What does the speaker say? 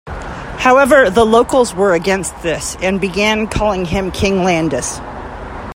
However, the locals were against this, and began calling him "King Landis".